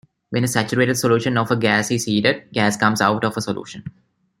When a saturated solution of a gas is heated, gas comes out of solution.